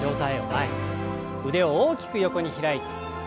腕を大きく横に開いて。